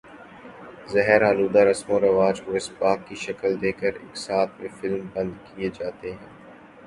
زہر آلودہ رسم و رواج کو اسباق کی شکل دے کر اقساط میں فلم بند کئے جاتے ہیں